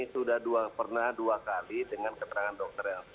sudah pernah dua kali dengan keterangan dokter